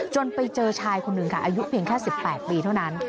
ไปเจอชายคนหนึ่งค่ะอายุเพียงแค่๑๘ปีเท่านั้น